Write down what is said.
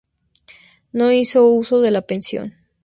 No hizo uso de la pensión.